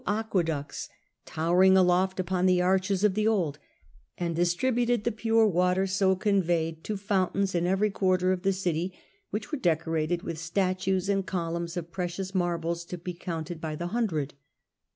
31 ~ aqueducts towering aloft upon the arches of the old, and distributed the pure water so conveyed to foun tains in every quarter of the city, which were decorated with statues and columns of precious marbles to be counted by the hundred.